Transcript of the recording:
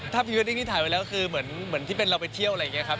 ถ้าพี่เวดดิ้งนิถ่ายไว้แล้วคือเหมือนที่เป็นเราไปเที่ยวอะไรอย่างนี้ครับ